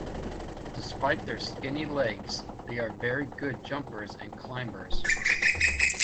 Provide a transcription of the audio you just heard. Despite their skinny legs, they are very good jumpers and climbers.